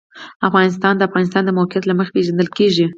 افغانستان د د افغانستان د موقعیت له مخې پېژندل کېږي.